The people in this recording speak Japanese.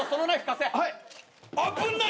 危ない！